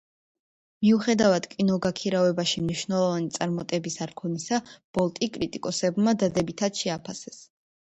მიუხედავად კინოგაქირავებაში მნიშვნელოვანი წარმატების არქონისა, „ბოლტი“ კრიტიკოსებმა დადებითად შეაფასეს.